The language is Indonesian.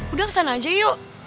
udah kesana aja yuk